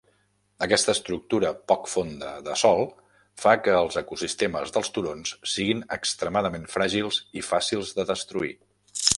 Aquesta estructura poc fonda del sòl fa que els ecosistemes dels turons siguin extremadament fràgils i fàcils de destruir.